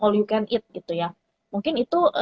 all you can eat gitu ya mungkin itu